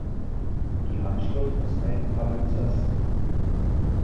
Die Handschrift ist ein Palimpsest.